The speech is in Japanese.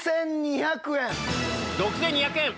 ６２００円。